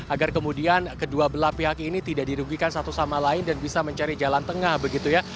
agar kemudian kedua belah pihak ini tidak dirugikan satu sama lain dan bisa mencari jalan tengah begitu ya